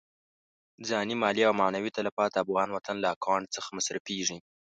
ځاني، مالي او معنوي تلفات د افغان وطن له اکاونټ څخه مصرفېږي.